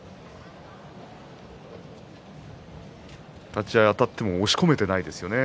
立ち合いあたっても押し込めていませんね